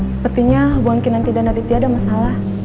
sepertinya hubungan kinanti dan aditi ada masalah